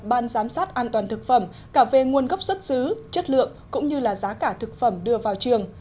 ban giám sát an toàn thực phẩm cả về nguồn gốc xuất xứ chất lượng cũng như là giá cả thực phẩm đưa vào trường